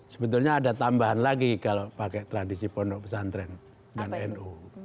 sebetulnya ada tambahan lagi kalau pakai tradisi pondok pesantren dan nu